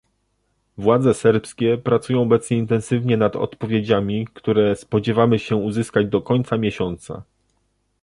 Władze serbskie pracują obecnie intensywnie nad odpowiedziami, które spodziewamy się uzyskać do końca miesiąca